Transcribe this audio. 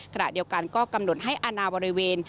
ขณะเดียวกันก็กำหนดให้อาณาบริเวณ